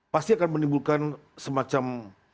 pasti akan menimbulkan semacam